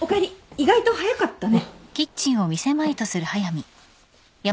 意外と早かったね。